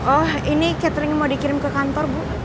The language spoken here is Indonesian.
oh ini catering mau dikirim ke kantor bu